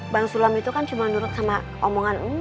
bang sulam itu kan cuma nurut sama omongan